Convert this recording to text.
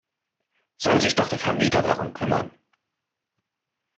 Soll sich doch der Vermieter darum kümmern!